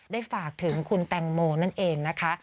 ฝากถึงคุณแตงโมนั่นเองนะคะ